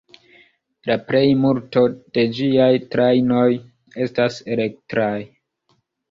La plejmulto de ĝiaj trajnoj estas elektraj.